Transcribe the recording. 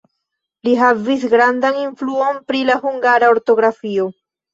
Li havis grandan influon pri la hungara ortografio.